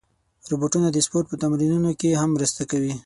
روبوټونه د سپورت په تمرینونو کې هم مرسته کوي.